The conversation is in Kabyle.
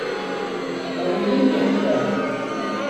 A wi i m-yeḥkan.